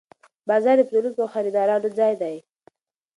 بازار د پلورونکو او خریدارانو ځای دی.